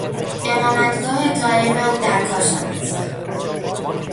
اقامتگاه دایم او در کاشان است.